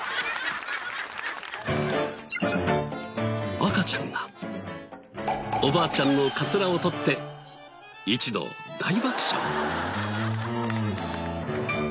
赤ちゃんがおばあちゃんのカツラを取って一同大爆笑。